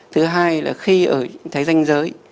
thứ hai là khi ở thái danh giới